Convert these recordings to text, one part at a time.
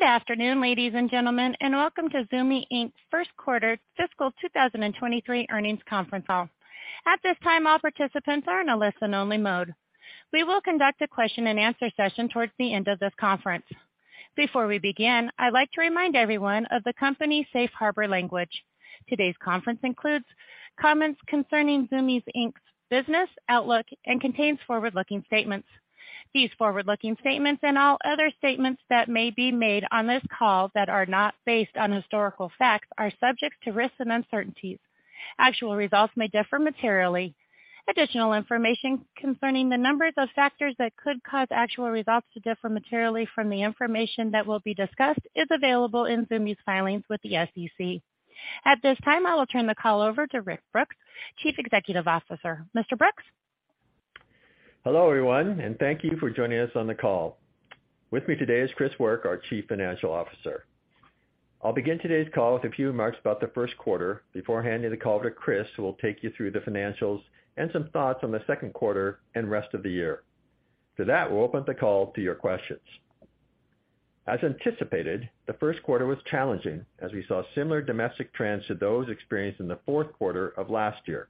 Good afternoon, ladies and gentlemen, and welcome to Zumiez Inc.'s Q1 fiscal 2023 earnings conference call. At this time, all participants are in a listen-only mode. We will conduct a question-and-answer session towards the end of this conference. Before we begin, I'd like to remind everyone of the company's Safe Harbor language. Today's conference includes comments concerning Zumiez Inc.'s business, outlook, and contains forward-looking statements. These forward-looking statements, and all other statements that may be made on this call that are not based on historical facts, are subject to risks and uncertainties. Actual results may differ materially. Additional information concerning the numbers of factors that could cause actual results to differ materially from the information that will be discussed is available in Zumiez' filings with the SEC. At this time, I will turn the call over to Rick Brooks, Chief E xecutive Officer. Mr. Brooks? Hello, everyone, and thank you for joining us on the call. With me today is Chris Work, our Chief Financial Officer. I'll begin today's call with a few remarks about the Q1 before handing the call to Chris, who will take you through the financials and some thoughts on the Q2 and rest of the year. We'll open the call to your questions. As anticipated, the Q1 was challenging, as we saw similar domestic trends to those experienced in the Q4 of last year.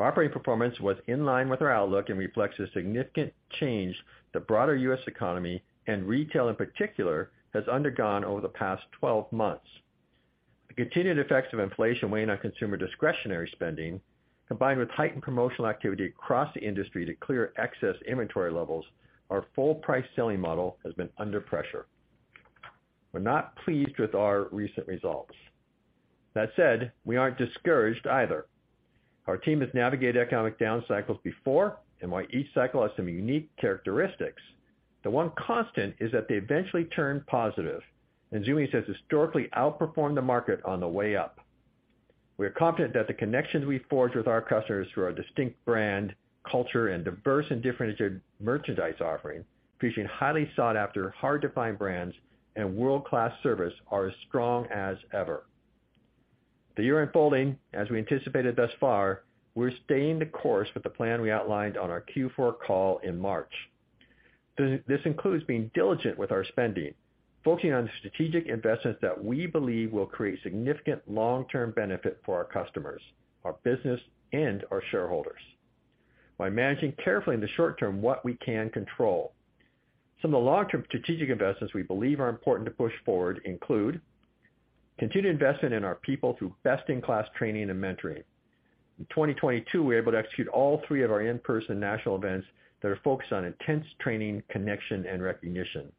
Operating performance was in line with our outlook and reflects a significant change, the broader U.S. economy, and retail, in particular, has undergone over the past 12 months. The continued effects of inflation weighing on consumer discretionary spending, combined with heightened promotional activity across the industry to clear excess inventory levels, our full price selling model has been under pressure. We're not pleased with our recent results. That said, we aren't discouraged either. Our team has navigated economic down cycles before, and while each cycle has some unique characteristics, the one constant is that they eventually turn positive, and Zumiez has historically outperformed the market on the way up. We are confident that the connections we forge with our customers through our distinct brand, culture, and diverse and differentiated merchandise offering, featuring highly sought after, hard-to-find brands and world-class service, are as strong as ever. The year unfolding, as we anticipated thus far, we're staying the course with the plan we outlined on our Q4 call in March. This includes being diligent with our spending, focusing on strategic investments that we believe will create significant long-term benefit for our customers, our business, and our shareholders by managing carefully in the short term what we can control. Some of the long-term strategic investments we believe are important to push forward include continued investment in our people through best-in-class training and mentoring. In 2022, we were able to execute all three of our in-person national events that are focused on intense training, connection, and recognition.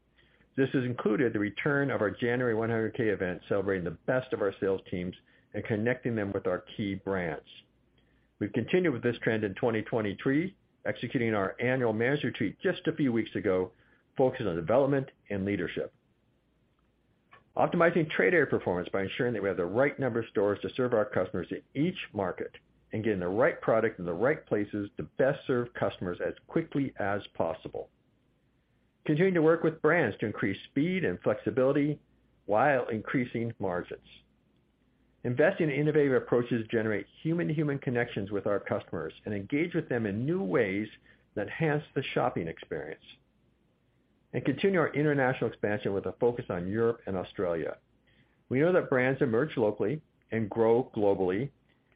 This has included the return of our January 100K event, celebrating the best of our sales teams and connecting them with our key brands. We've continued with this trend in 2023, executing our annual manager retreat just a few weeks ago, focusing on development and leadership. Optimizing trade area performance by ensuring that we have the right number of stores to serve our customers in each market and getting the right product in the right places to best serve customers as quickly as possible. Continuing to work with brands to increase speed and flexibility while increasing margins. Invest in innovative approaches to generate human-to-human connections with our customers and engage with them in new ways that enhance the shopping experience. Continue our international expansion with a focus on Europe and Australia. We know that brands emerge locally and grow globally,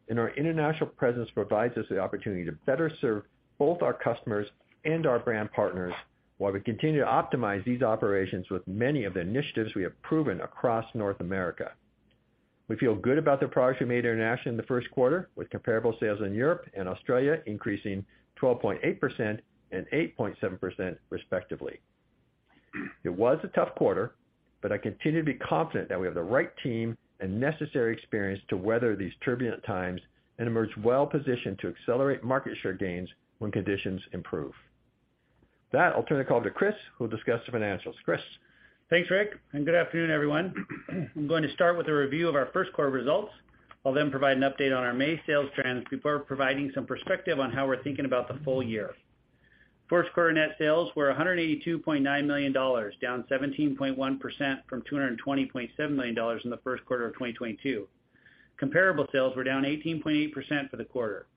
and our international presence provides us the opportunity to better serve both our customers and our brand partners, while we continue to optimize these operations with many of the initiatives we have proven across North America. We feel good about the progress we made internationally in the Q1, with comparable sales in Europe and Australia increasing 12.8% and 8.7%, respectively. It was a tough quarter, but I continue to be confident that we have the right team and necessary experience to weather these turbulent times and emerge well-positioned to accelerate market share gains when conditions improve. With that, I'll turn the call to Chris, who will discuss the financials. Chris? Thanks, Rick. Good afternoon, everyone. I'm going to start with a review of our Q1 results. I'll provide an update on our May sales trends before providing some perspective on how we're thinking about the full year. Q1 net sales were $182.9 million, down 17.1% from $220.7 million in the Q1 of 2022. Comparable sales were down 18.8% for the quarter.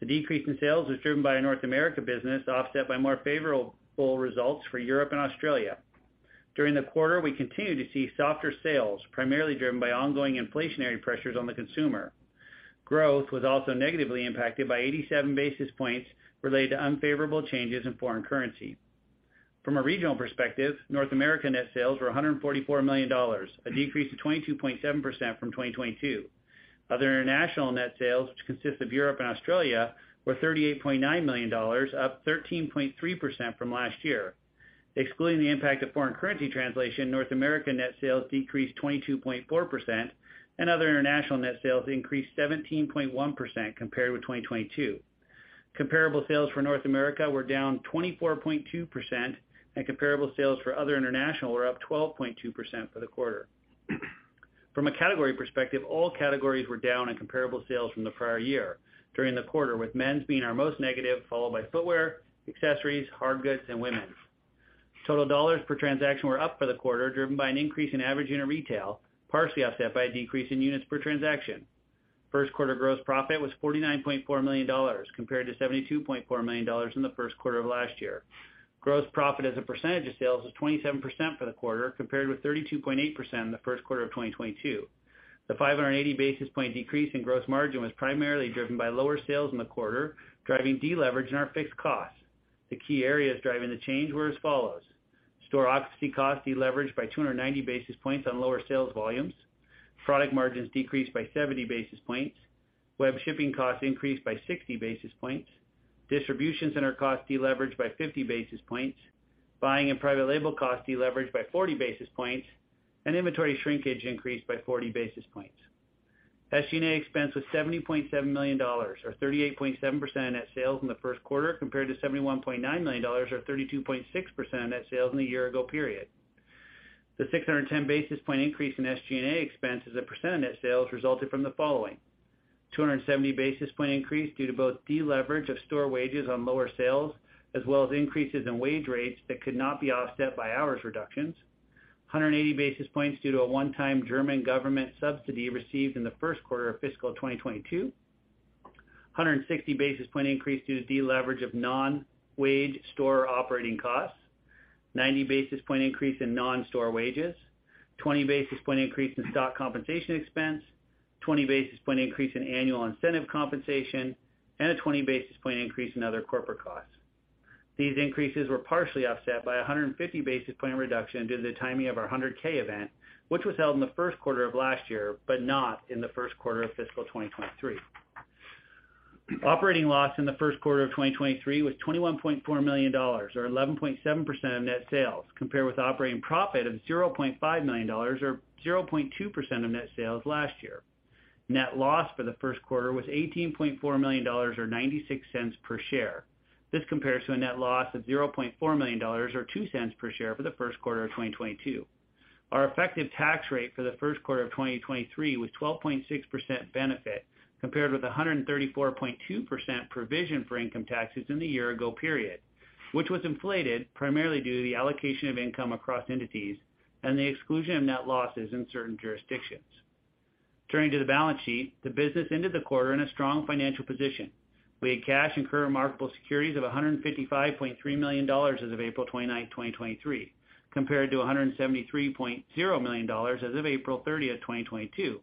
The decrease in sales was driven by our North America business, offset by more favorable results for Europe and Australia. During the quarter, we continued to see softer sales, primarily driven by ongoing inflationary pressures on the consumer. Growth was also negatively impacted by 87 basis points related to unfavorable changes in foreign currency. From a regional perspective, North America net sales were $144 million, a decrease of 22.7% from 2022. Other international net sales, which consist of Europe and Australia, were $38.9 million, up 13.3% from last year. Excluding the impact of foreign currency translation, North America net sales decreased 22.4%, and other international net sales increased 17.1% compared with 2022. Comparable sales for North America were down 24.2%, and comparable sales for other international were up 12.2% for the quarter. From a category perspective, all categories were down in comparable sales from the prior year during the quarter, with men's being our most negative, followed by footwear, accessories, hard goods, and women's. Total dollars per transaction were up for the quarter, driven by an increase in average unit retail, partially offset by a decrease in units per transaction. Q1 gross profit was $49.4 million, compared to $72.4 million in the Q1 of last year. Gross profit as a percentage of sales was 27% for the quarter, compared with 32.8% in the Q1 of 2022. The 580 basis point decrease in gross margin was primarily driven by lower sales in the quarter, driving deleverage in our fixed costs. The key areas driving the change were as follows: store occupancy costs deleveraged by 290 basis points on lower sales volumes, product margins decreased by 70 basis points, web shipping costs increased by 60 basis points, distribution center costs deleveraged by 50 basis points, buying and private label costs deleveraged by 40 basis points, and inventory shrinkage increased by 40 basis points. SG&A expense was $70.7 million, or 38.7% of net sales in the Q1, compared to $71.9 million, or 32.6% of net sales in the year ago period. The 610 basis point increase in SG&A expense as a percent of net sales resulted from the following: 270 basis point increase due to both deleverage of store wages on lower sales, as well as increases in wage rates that could not be offset by hours reductions, 180 basis points due to a one-time German government subsidy received in the Q1 of fiscal 2022, 160 basis point increase due to deleverage of non-wage store operating costs, 90 basis point increase in non-store wages, 20 basis point increase in stock compensation expense, 20 basis point increase in annual incentive compensation, and a 20 basis point increase in other corporate costs. These increases were partially offset by a 150 basis point reduction due to the timing of our 100K event, which was held in the Q1 of last year, but not in the Q1 of fiscal 2023. Operating loss in the Q1 of 2023 was $21.4 million, or 11.7% of net sales, compared with operating profit of $0.5 million or 0.2% of net sales last year. Net loss for the Q1 was $18.4 million, or $0.96 per share. This compares to a net loss of $0.4 million, or $0.02 per share for the Q1 of 2022. Our effective tax rate for the Q1 of 2023 was 12.6% benefit, compared with 134.2% provision for income taxes in the year ago period, which was inflated primarily due to the allocation of income across entities and the exclusion of net losses in certain jurisdictions. Turning to the balance sheet, the business ended the quarter in a strong financial position. We had cash and current marketable securities of $155.3 million as of April 29, 2023, compared to $173.0 million as of April 30, 2022.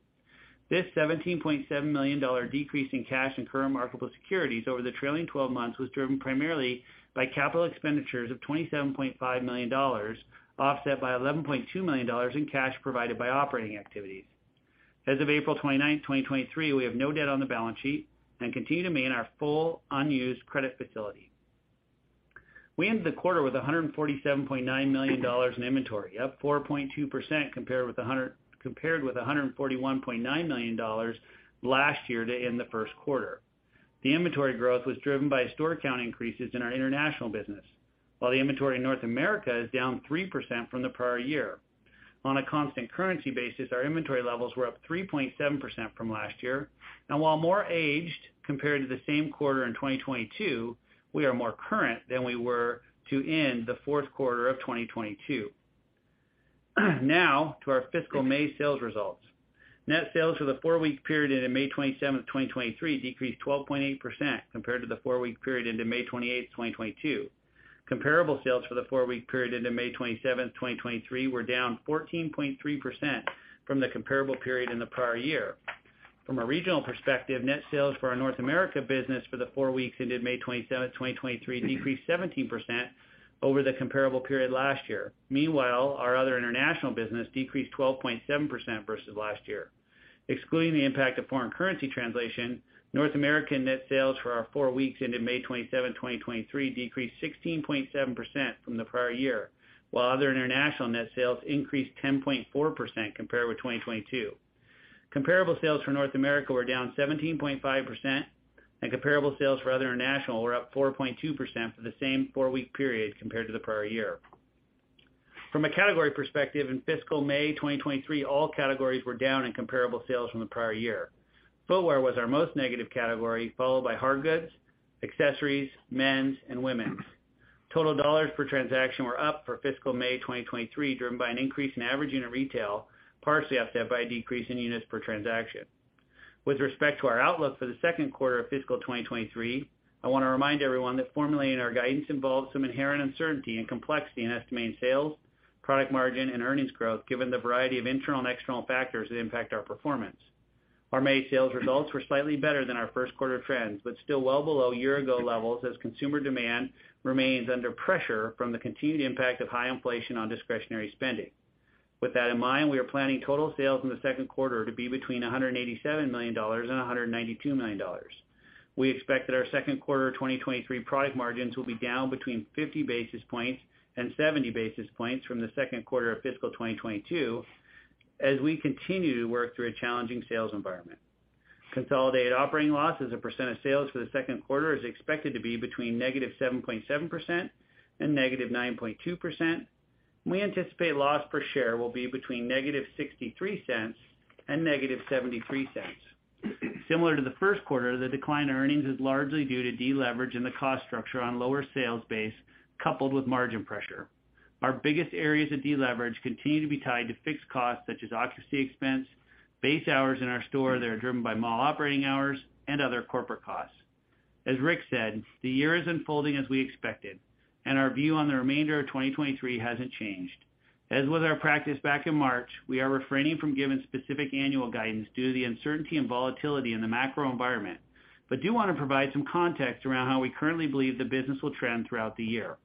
This $17.7 million decrease in cash and current marketable securities over the trailing 12 months was driven primarily by capital expenditures of $27.5 million, offset by $11.2 million in cash provided by operating activities. As of April 29, 2023, we have no debt on the balance sheet and continue to maintain our full unused credit facility. We ended the quarter with $147.9 million in inventory, up 4.2%, compared with $141.9 million last year to end the Q1. The inventory growth was driven by store count increases in our international business, while the inventory in North America is down 3% from the prior year. On a constant currency basis, our inventory levels were up 3.7% from last year, and while more aged compared to the same quarter in 2022, we are more current than we were to end the Q4 of 2022. To our fiscal May sales results. Net sales for the four-week period ended May 27th, 2023, decreased 12.8% compared to the four-week period ended May 28th, 2022. Comparable sales for the four-week period ended May 27th, 2023, were down 14.3% from the comparable period in the prior year. From a regional perspective, net sales for our North America business for the four weeks ended May 27th, 2023, decreased 17% over the comparable period last year. Our other international business decreased 12.7% versus last year. Excluding the impact of foreign currency translation, North American net sales for our four week ended May 27, 2023, decreased 16.7% from the prior year, while other international net sale increased 10.4% compared with 2022. Comparable sale for North America were down 17.5%, and comparable sales for other international were up 4.2% for the same four week period compared to the prior year. From a category perspective, in fiscal May 2023, all categories were down in comparable sales from the prior year. Footwear was our most negative category, followed by hard goods, accessories, men's, and women's. Total dollars per transaction were up for fiscal May 2023, driven by an increase in average unit retail, partially offset by a decrease in units per transaction. With respect to our outlook for the Q2 of fiscal 2023, I want to remind everyone that formulating our guidance involves some inherent uncertainty and complexity in estimating sales, product margin, and earnings growth, given the variety of internal and external factors that impact our performance. Our May sales results were slightly better than our Q1 trends, but still well below year-ago levels as consumer demand remains under pressure from the continued impact of high inflation on discretionary spending. With that in mind, we are planning total sales in the Q2 to be between $187 million and $192 million. We expect that our Q2 2023 product margins will be down between 50 basis points and 70 basis points from the Q2 of fiscal 2022, as we continue to work through a challenging sales environment. Consolidated operating loss as a percent of sales for the Q2 is expected to be between negative 7.7% and negative 9.2%. We anticipate loss per share will be between negative $0.63 and negative $0.73. Similar to the Q1, the decline in earnings is largely due to deleverage in the cost structure on lower sales base, coupled with margin pressure. Our biggest areas of deleverage continue to be tied to fixed costs such as occupancy expense, base hours in our store that are driven by mall operating hours, and other corporate costs. As Rick said, the year is unfolding as we expected, and our view on the remainder of 2023 hasn't changed. As with our practice back in March, we are refraining from giving specific annual guidance due to the uncertainty and volatility in the macro environment, but do wanna provide some context around how we currently believe the business will trend throughout the year.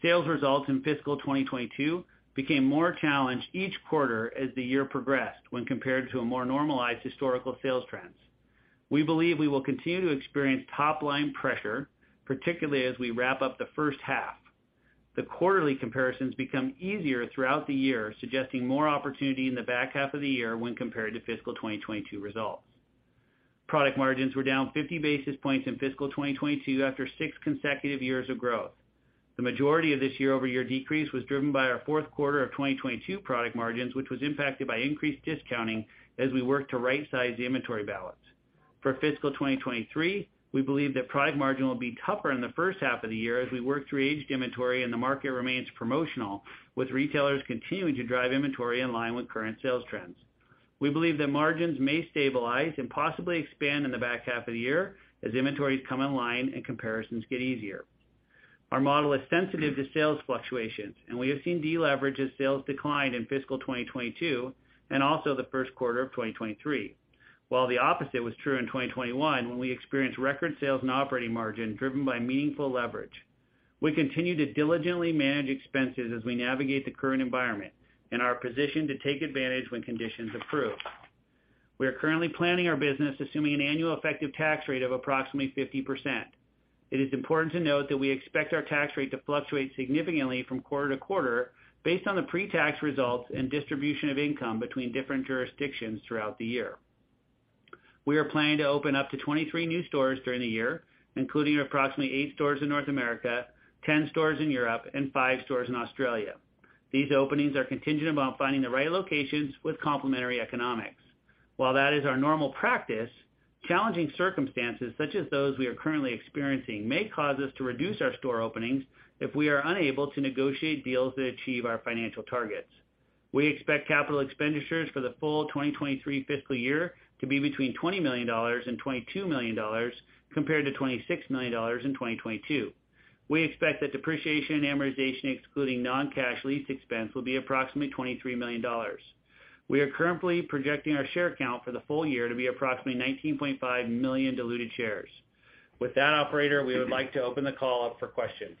Sales results in fiscal 2022 became more challenged each quarter as the year progressed when compared to a more normalized historical sales trends. We believe we will continue to experience top-line pressure, particularly as we wrap up the first half. The quarterly comparisons become easier throughout the year, suggesting more opportunity in the back half of the year when compared to fiscal 2022 results. Product margins were down 50 basis points in fiscal 2022 after six consecutive years of growth. The majority of this year-over-year decrease was driven by our Q4 of 2022 product margins, which was impacted by increased discounting as we worked to right-size the inventory balance. For fiscal 2023, we believe that product margin will be tougher in the first half of the year as we work through aged inventory and the market remains promotional, with retailers continuing to drive inventory in line with current sales trends. We believe that margins may stabilize and possibly expand in the back half of the year as inventories come in line and comparisons get easier. Our model is sensitive to sales fluctuations, and we have seen deleverage as sales declined in fiscal 2022 and also the Q1 of 2023, while the opposite was true in 2021, when we experienced record sales and operating margin driven by meaningful leverage. We continue to diligently manage expenses as we navigate the current environment and are positioned to take advantage when conditions improve. We are currently planning our business, assuming an annual effective tax rate of approximately 50%. It is important to note that we expect our tax rate to fluctuate significantly from quarter to quarter based on the pretax results and distribution of income between different jurisdictions throughout the year. We are planning to open up to 23 new stores during the year, including approximately 8 stores in North America, 10 stores in Europe, and 5 stores in Australia. These openings are contingent upon finding the right locations with complementary economics. While that is our normal practice, challenging circumstances, such as those we are currently experiencing, may cause us to reduce our store openings if we are unable to negotiate deals that achieve our financial targets. We expect CapEx for the full 2023 fiscal year to be between $20 million and $22 million, compared to $26 million in 2022. We expect that depreciation and amortization, excluding non-cash lease expense, will be approximately $23 million. We are currently projecting our share count for the full year to be approximately 19.5 million diluted shares. With that, operator, we would like to open the call up for questions.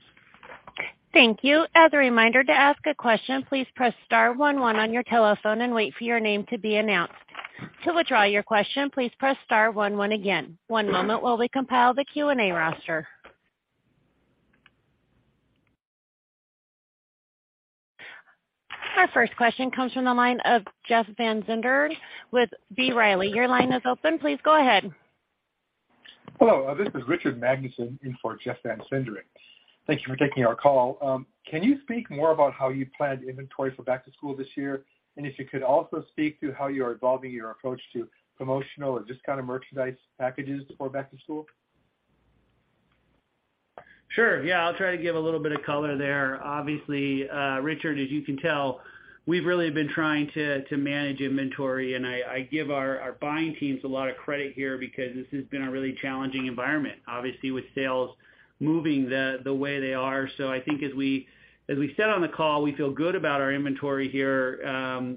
Thank you. As a reminder, to ask a question, please press star one one on your telephone and wait for your name to be announced. To withdraw your question, please press star one one again. One moment while we compile the Q&A roster. Our first question comes from the line of Jeff Van Sinderen with B. Riley. Your line is open. Please go ahead. Hello, this is Richard Magnusen in for Jeff Van Sinderen. Thank you for taking our call. Can you speak more about how you planned inventory for back to school this year? If you could also speak to how you are evolving your approach to promotional or discounted merchandise packages for back to school. Sure. Yeah, I'll try to give a little bit of color there. Obviously, Richard, as you can tell, we've really been trying to manage inventory, and I give our buying teams a lot of credit here because this has been a really challenging environment, obviously, with sales moving the way they are. I think as we said on the call, we feel good about our inventory here,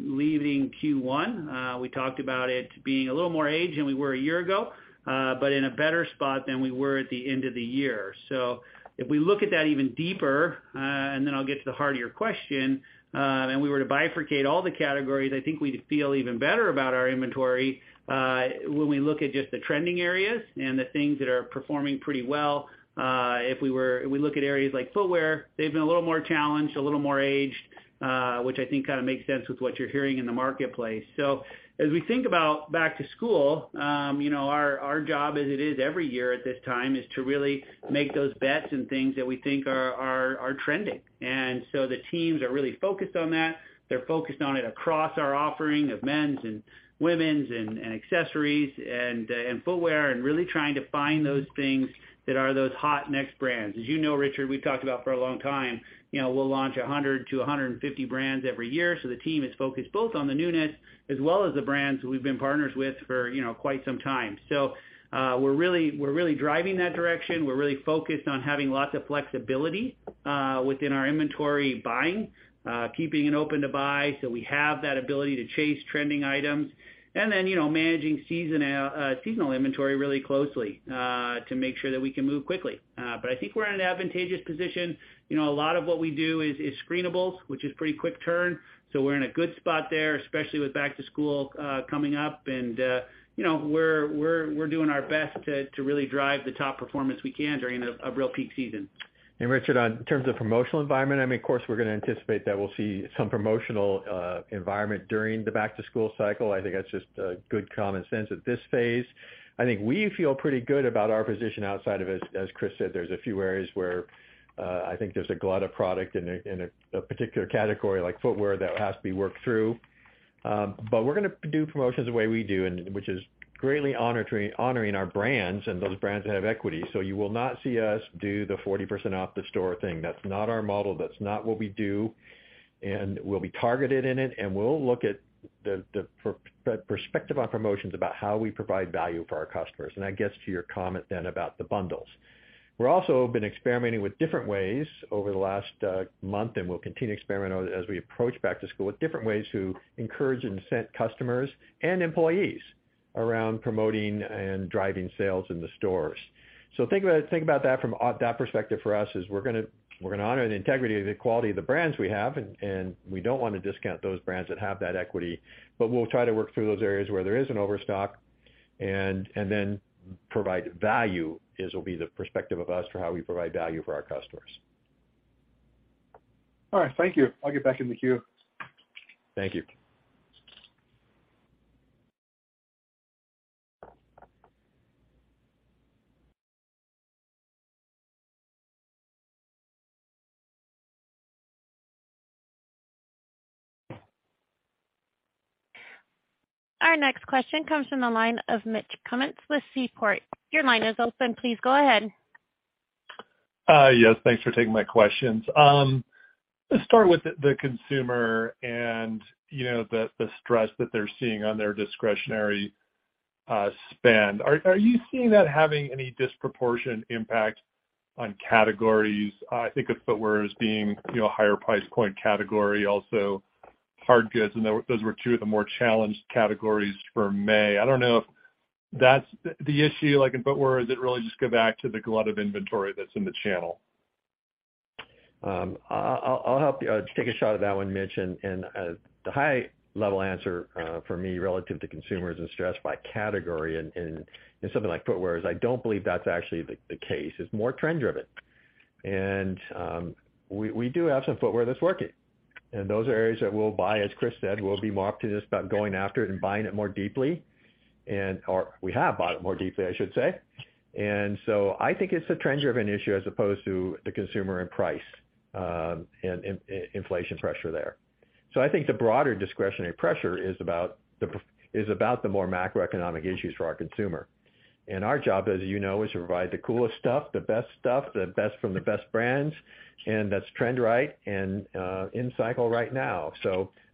leaving Q1. We talked about it being a little more aged than we were a year ago, but in a better spot than we were at the end of the year. If we look at that even deeper, and then I'll get to the heart of your question, and we were to bifurcate all the categories, I think we'd feel even better about our inventory, when we look at just the trending areas and the things that are performing pretty well. If we look at areas like footwear, they've been a little more challenged, a little more aged, which I think kind of makes sense with what you're hearing in the marketplace. As we think about back to school, you know, our job, as it is every year at this time, is to really make those bets and things that we think are trending. The teams are really focused on that. They're focused on it across our offering of men's and women's and accessories and footwear, really trying to find those things that are those hot next brands. As you know, Richard, we've talked about for a long time, you know, we'll launch 100 to 150 brands every year, the team is focused both on the newness as well as the brands we've been partners with for, you know, quite some time. We're really driving that direction. We're really focused on having lots of flexibility within our inventory buying, keeping it open to buy, we have that ability to chase trending items, you know, managing seasonal inventory really closely to make sure that we can move quickly. I think we're in an advantageous position. You know, a lot of what we do is screenables, which is pretty quick turn, so we're in a good spot there, especially with back to school coming up. You know, we're doing our best to really drive the top performance we can during a real peak season. Richard, on terms of promotional environment, I mean, of course, we're gonna anticipate that we'll see some promotional environment during the back-to-school cycle. I think that's just good common sense at this phase. I think we feel pretty good about our position outside of as Chris said, there's a few areas where I think there's a glut of product in a, in a particular category, like footwear, that has to be worked through. We're gonna do promotions the way we do, and which is greatly honoring our brands and those brands that have equity. You will not see us do the 40% off the store thing. That's not our model. That's not what we do, and we'll be targeted in it, and we'll look at. The perspective on promotions about how we provide value for our customers. That gets to your comment then about the bundles. We're also been experimenting with different ways over the last month. We'll continue to experiment on as we approach back to school, with different ways to encourage and incent customers and employees around promoting and driving sales in the stores. Think about that from that perspective for us is we're gonna honor the integrity of the quality of the brands we have, and we don't want to discount those brands that have that equity, but we'll try to work through those areas where there is an overstock, and then provide value, is will be the perspective of us for how we provide value for our customers. All right, thank you. I'll get back in the queue. Thank you. Our next question comes from the line of Mitch Kummetz with Seaport. Your line is open. Please go ahead. Yes, thanks for taking my questions. Let's start with the consumer and, you know, the stress that they're seeing on their discretionary spend. Are you seeing that having any disproportionate impact on categories? I think of footwear as being, you know, a higher price point category, also hard goods, and those were two of the more challenged categories for May. I don't know if that's the issue, like in footwear, or does it really just go back to the glut of inventory that's in the channel? I'll help you just take a shot at that one, Mitch. The high-level answer for me, relative to consumers and stress by category in something like footwear is I don't believe that's actually the case. It's more trend driven. We do have some footwear that's working, and those are areas that we'll buy. As Chris said, we'll be more optimistic about going after it and buying it more deeply. Or we have bought it more deeply, I should say. I think it's a trend-driven issue as opposed to the consumer and price, and inflation pressure there. I think the broader discretionary pressure is about the more macroeconomic issues for our consumer. Our job, as you know, is to provide the coolest stuff, the best stuff, the best from the best brands, that's trend right and in cycle right now.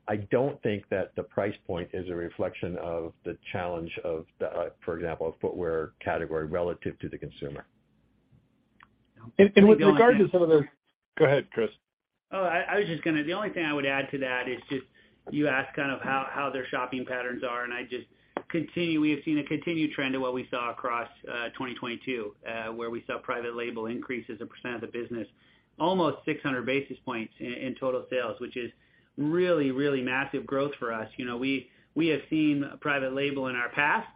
I don't think that the price point is a reflection of the challenge of the, for example, a footwear category relative to the consumer. With regard to some of the .Go ahead, Chris. The only thing I would add to that is just, you asked kind of how their shopping patterns are. We have seen a continued trend of what we saw across 2022, where we saw private label increase as a percent of the business, almost 600 basis points in total sales, which is really, really massive growth for us. You know, we have seen private label in our past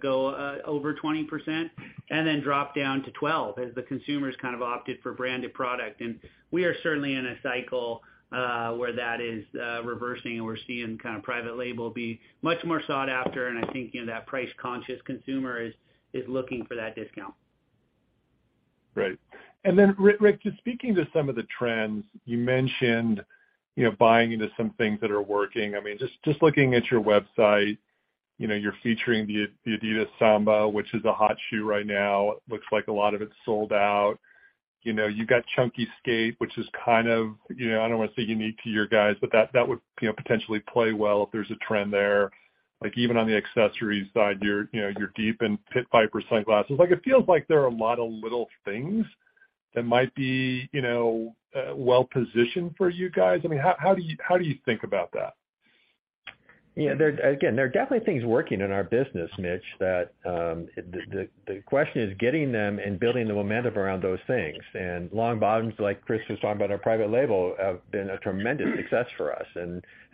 go over 20% and then drop down to 12% as the consumers kind of opted for branded product. We are certainly in a cycle where that is reversing, and we're seeing kind of private label be much more sought after. I think, you know, that price-conscious consumer is looking for that discount. Right. Rick, just speaking to some of the trends, you mentioned, you know, buying into some things that are working. I mean, looking at your website, you know, you're featuring the adidas Samba, which is a hot shoe right now. It looks like a lot of it's sold out. You know, you've got Chunky Skate, which is kind of, you know, I don't want to say unique to your guys, but that would, you know, potentially play well if there's a trend there. Like, even on the accessories side, you're, you know, you're deep in Pit Viper sunglasses. Like, it feels like there are a lot of little things that might be, you know, well positioned for you guys. I mean, how do you think about that? Yeah, again, there are definitely things working in our business, Mitch, that, the question is getting them and building the momentum around those things. Long bottoms, like Chris was talking about, our private label, have been a tremendous success for us.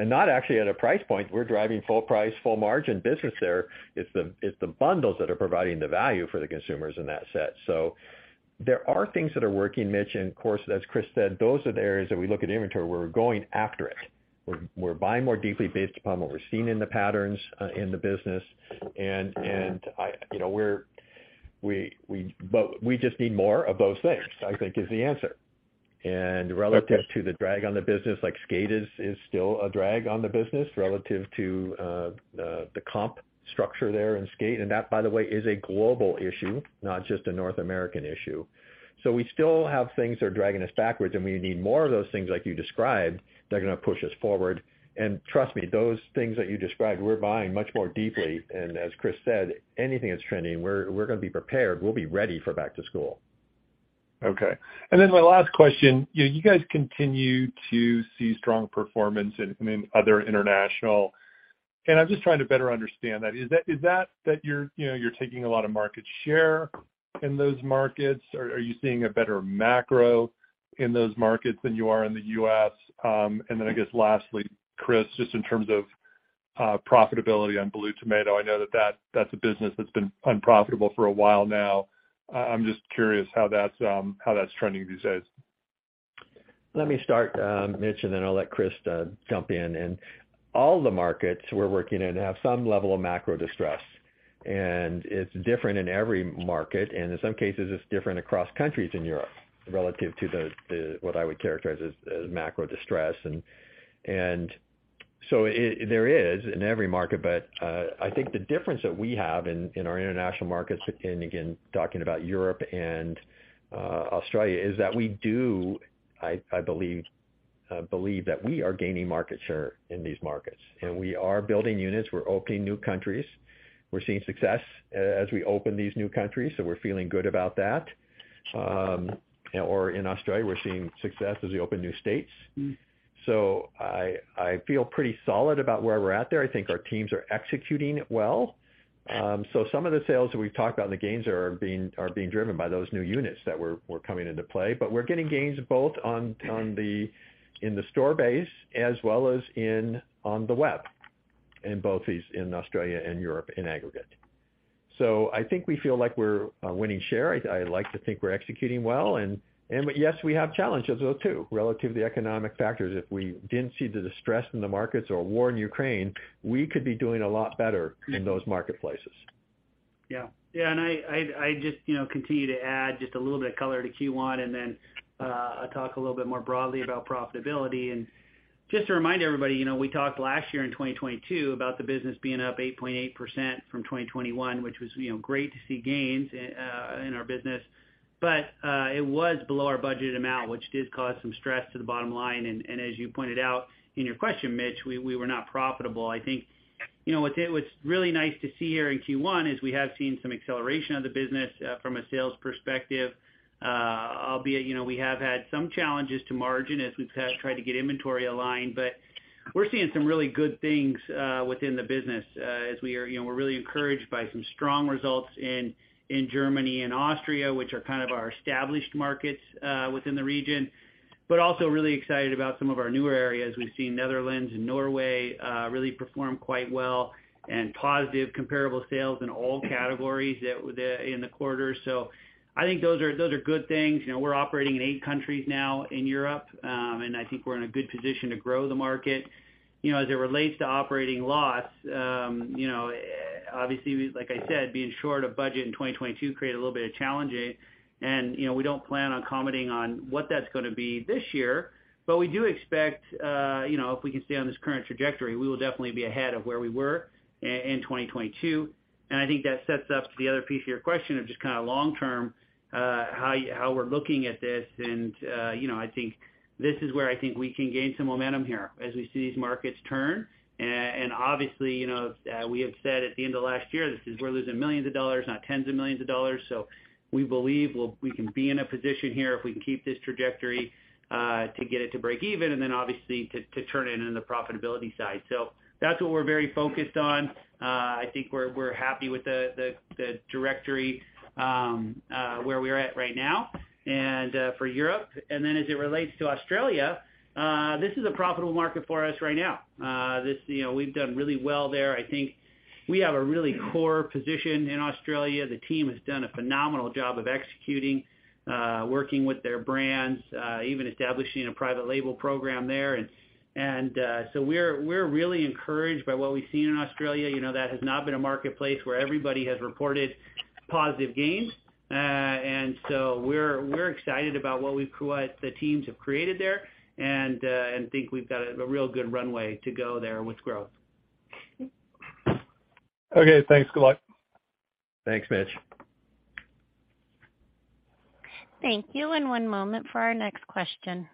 Not actually at a price point. We're driving full price, full margin business there. It's the bundles that are providing the value for the consumers in that set. There are things that are working, Mitch, and of course, as Chris said, those are the areas that we look at inventory, where we're going after it. We're buying more deeply based upon what we're seeing in the patterns, in the business. We just need more of those things, I think is the answer. Okay. Relative to the drag on the business, like skate is still a drag on the business relative to the comp structure there in skate. That, by the way, is a global issue, not just a North American issue. We still have things that are dragging us backwards, and we need more of those things like you described, that are going to push us forward. Trust me, those things that you described, we're buying much more deeply. As Chris said, anything that's trending, we're gonna be prepared. We'll be ready for back to school. Okay. Then my last question, you know, you guys continue to see strong performance in other international, and I'm just trying to better understand that. Is that you're, you know, you're taking a lot of market share in those markets, or are you seeing a better macro in those markets than you are in the U.S.? Then I guess lastly, Chris, just in terms of profitability on Blue Tomato, I know that's a business that's been unprofitable for a while now. I'm just curious how that's trending these days? Let me start, Mitch, and then I'll let Chris jump in. All the markets we're working in have some level of macro distress, and it's different in every market, and in some cases, it's different across countries in Europe relative to the, what I would characterize as macro distress. There is in every market, but I think the difference that we have in our international markets, and again, talking about Europe and Australia, is that we do, I believe that we are gaining market share in these markets, and we are building units. We're opening new countries. We're seeing success as we open these new countries, so we're feeling good about that. Or in Australia, we're seeing success as we open new states. I feel pretty solid about where we're at there. I think our teams are executing it well. Some of the sales that we've talked about, and the gains are being driven by those new units that were coming into play. We're getting gains both on the in the store base as well as on the web, in both these in Australia and Europe, in aggregate. I think we feel like we're winning share. I like to think we're executing well, and yes, we have challenges, though, too, relative to the economic factors. If we didn't see the distress in the markets or a war in Ukraine, we could be doing a lot better in those marketplaces. Yeah. Yeah, and I just, you know, continue to add just a little bit of color to Q1, and then talk a little bit more broadly about profitability. Just to remind everybody, you know, we talked last year in 2022 about the business being up 8.8% from 2021, which was, you know, great to see gains in our business. It was below our budgeted amount, which did cause some stress to the bottom line. As you pointed out in your question, Mitch, we were not profitable. I think, you know, what's really nice to see here in Q1 is we have seen some acceleration of the business from a sales perspective, albeit, you know, we have had some challenges to margin as we've tried to get inventory aligned. We're seeing some really good things within the business. You know, we're really encouraged by some strong results in Germany and Austria, which are kind of our established markets within the region. Also really excited about some of our newer areas. We've seen Netherlands and Norway really perform quite well, and positive comparable sales in all categories that in the quarter. I think those are good things. You know, we're operating in 8 countries now in Europe, and I think we're in a good position to grow the market. You know, as it relates to operating loss, you know, obviously, like I said, being short of budget in 2022 created a little bit of challenges. You know, we don't plan on commenting on what that's gonna be this year, but we do expect, you know, if we can stay on this current trajectory, we will definitely be ahead of where we were in 2022. I think that sets up to the other piece of your question of just kind of long term, how we're looking at this. You know, I think this is where I think we can gain some momentum here as we see these markets turn. Obviously, you know, we have said at the end of last year, this is we're losing millions of dollars, not tens of millions of dollars. We believe we can be in a position here if we can keep this trajectory to get it to break even, and then obviously, to turn it into the profitability side. That's what we're very focused on. I think we're happy with the directory where we're at right now, and for Europe. As it relates to Australia, this is a profitable market for us right now. You know, we've done really well there. I think we have a really core position in Australia. The team has done a phenomenal job of executing, working with their brands, even establishing a private label program there. We're really encouraged by what we've seen in Australia. You know, that has not been a marketplace where everybody has reported positive gains. We're excited about the teams have created there, think we've got a real good runway to go there with growth. Okay, thanks. Good luck. Thanks, Mitch. Thank you. One moment for our next question.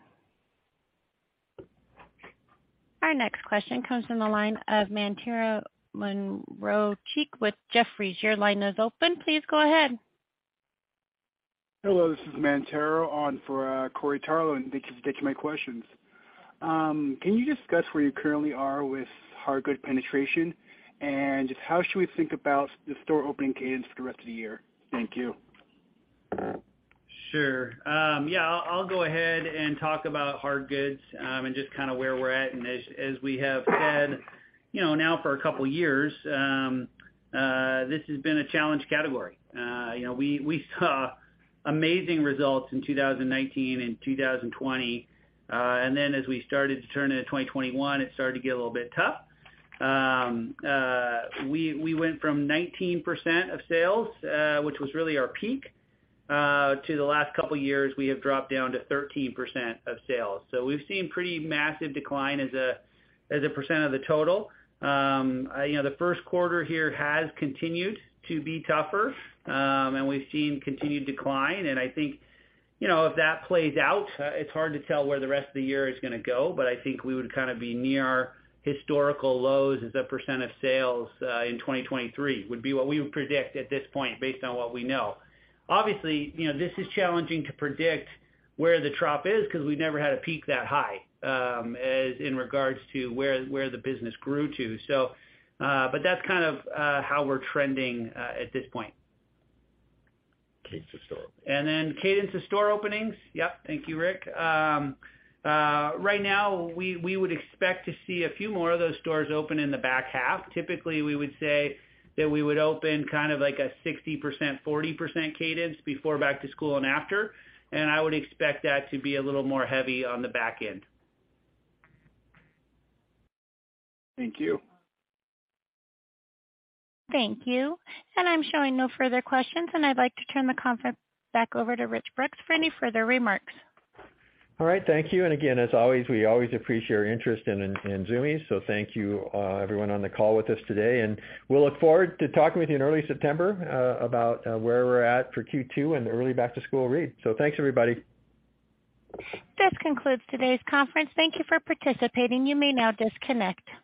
Our next question comes from the line of Mantero Moreno-Cheek with Jefferies. Your line is open. Please go ahead. Hello, this is Mantero on for Corey Tarlowe, and thank you to get to my questions. Can you discuss where you currently are with hardgood penetration? Just how should we think about the store opening cadence for the rest of the year? Thank you. Sure. I'll go ahead and talk about hard goods and just kind of where we're at. As we have said, you know, now for a couple of years, this has been a challenged category. You know, we saw amazing results in 2019 and 2020, as we started to turn into 2021, it started to get a little bit tough. We went from 19% of sales, which was really our peak, to the last couple of years, we have dropped down to 13% of sales. We've seen pretty massive decline as a percent of the total. You know, the Q1 here has continued to be tougher, we've seen continued decline. I think, you know, if that plays out, it's hard to tell where the rest of the year is gonna go, but I think we would kind of be near our historical lows as a percent of sales in 2023, would be what we would predict at this point, based on what we know. Obviously, you know, this is challenging to predict where the drop is because we've never had a peak that high, as in regards to where the business grew to. That's kind of, how we're trending at this point. Cadence of store Cadence of store openings? Yep. Thank you, Rick. Right now, we would expect to see a few more of those stores open in the back half. Typically, we would say that we would open kind of like a 60%, 40% cadence before back to school and after, and I would expect that to be a little more heavy on the back end. Thank you. Thank you. I'm showing no further questions, and I'd like to turn the conference back over to Rick Brooks for any further remarks. All right. Thank you. Again, as always, we always appreciate your interest in Zumiez. Thank you, everyone on the call with us today, and we'll look forward to talking with you in early September, about where we're at for Q2 and the early back-to-school read. Thanks, everybody. This concludes today's conference. Thank you for participating. You may now disconnect.